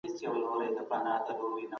بيا غوټه په وجود راتلای سي